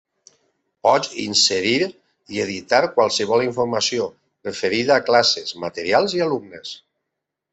Pots inserir i editar qualsevol informació referida a classes, materials i alumnes.